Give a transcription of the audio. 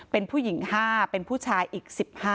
เป็นผู้หญิง๕เป็นผู้ชายอีก๑๕